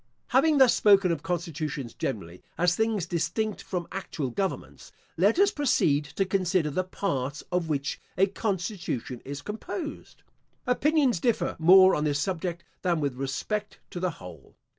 * Having thus spoken of constitutions generally, as things distinct from actual governments, let us proceed to consider the parts of which a constitution is composed. Opinions differ more on this subject than with respect to the whole.